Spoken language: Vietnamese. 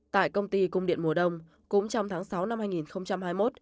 tại công ty cung điện mùa đông cũng trong tháng sáu năm hai nghìn hai mươi một